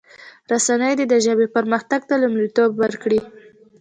رسنی دي د ژبې پرمختګ ته لومړیتوب ورکړي.